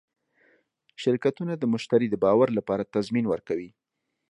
شرکتونه د مشتری د باور لپاره تضمین ورکوي.